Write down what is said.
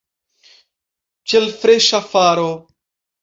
Ĉe l' freŝa faro.